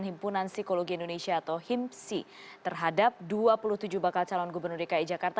himpunan psikologi indonesia atau himsi terhadap dua puluh tujuh bakal calon gubernur dki jakarta